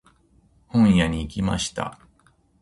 本屋に行きました。